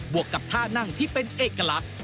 วกกับท่านั่งที่เป็นเอกลักษณ์